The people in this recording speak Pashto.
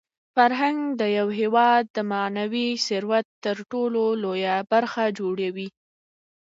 فرهنګ د یو هېواد د معنوي ثروت تر ټولو لویه برخه جوړوي.